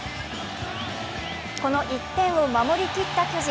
この１点を守りきった巨人。